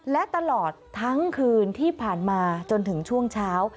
และตลอดทั้งคืนที่ผ่านมาจนถึงช่วงเช้า